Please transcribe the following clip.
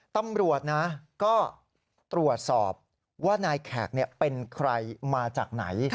ตำรวจนะก็ตรวจสอบว่านายแขกเป็นใครมาจากไหน